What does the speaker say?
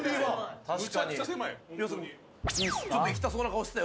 ちょっといきたそうな顔してたよ